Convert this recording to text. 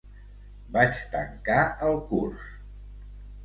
Vaig tancar el curs.